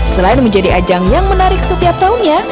selain menjadi ajang yang menarik setiap tahunnya